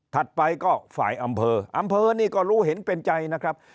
ไปก็ฝ่ายอำเภออำเภอนี่ก็รู้เห็นเป็นใจนะครับ